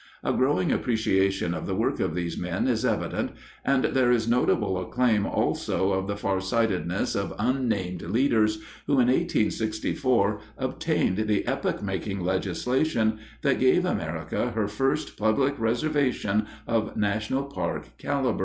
A growing appreciation of the work of these men is evident, and there is notable acclaim also of the far sightedness of unnamed leaders who in 1864 obtained the epoch making legislation that gave America her first public reservation of national park caliber.